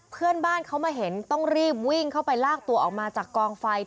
เพื่อนบ้านเขามาเห็นต้องรีบวิ่งเข้าไปลากตัวออกมาจากกองไฟ